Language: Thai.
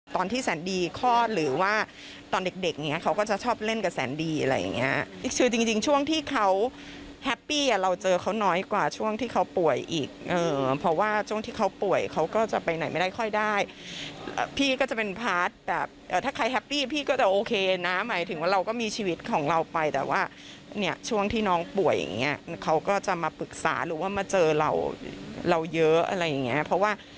ตอนที่แซนดีคลอดหรือว่าตอนเด็กเขาก็จะชอบเล่นกับแซนดีอะไรอย่างนี้คือจริงช่วงที่เขาแฮปปี้เราเจอเขาน้อยกว่าช่วงที่เขาป่วยอีกเพราะว่าช่วงที่เขาป่วยเขาก็จะไปไหนไม่ได้ค่อยได้พี่ก็จะเป็นพาร์ทแบบถ้าใครแฮปปี้พี่ก็จะโอเคนะหมายถึงว่าเราก็มีชีวิตของเราไปแต่ว่าเนี่ยช่วงที่น้องป่วยอย่างนี้เขาก็จะ